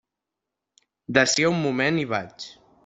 D'ací a un moment hi vaig.